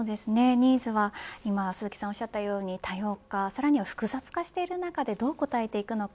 ニーズは今、鈴木さんがおっしゃったように多様化さらには複雑化している中でどう応えていくのか。